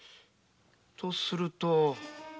とすると？